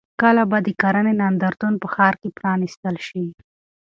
کله به د کرنې نندارتون په ښار کې پرانیستل شي؟